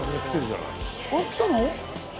あれっ来たの？